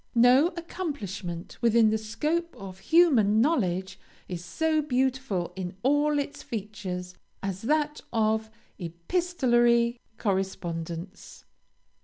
No accomplishment within the scope of human knowledge is so beautiful in all its features as that of epistolary correspondence.